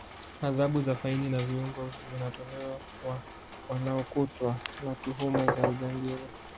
adhabu za faini na vifungo zinatolewa wa wanaokutwa na tuhuma za ujangili